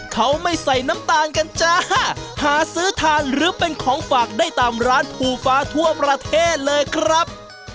เขาไม่ใส่น้ำตาลกันจ้าหาซื้อทานหรือเป็นของฝากได้ตามร้านภูฟ้าทั่วประเทศเลยครับ